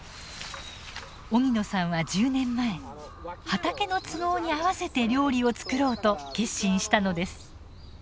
荻野さんは１０年前畑の都合にあわせて料理をつくろうと決心したのです。